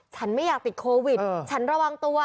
ฉันไม่อยากติดโควิดฉันระวังตัว